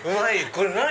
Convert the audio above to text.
これ何？